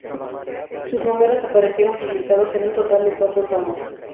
Sus números aparecieron publicados en un total de cuatro tomos.